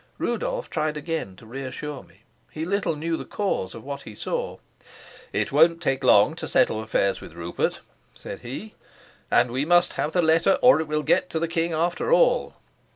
Rudolf tried again to reassure me. He little knew the cause of what he saw. "It won't take long to settle affairs with Rupert," said he. "And we must have the letter, or it will get to the king after all."